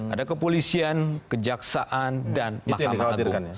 ada kepolisian kejaksaan dan mahkamah agung